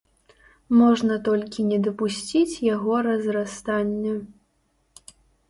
Можна толькі не дапусціць яго разрастання.